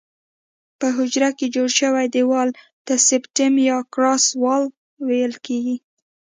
په حجره کې جوړ شوي دیوال ته سپټم یا کراس وال ویل کیږي.